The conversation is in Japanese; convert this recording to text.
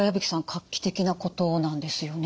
画期的なことなんですよね？